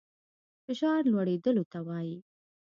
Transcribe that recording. فشار لوړېدلو ته وايي.